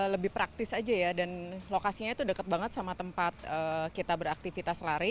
lebih praktis aja ya dan lokasinya itu dekat banget sama tempat kita beraktivitas lari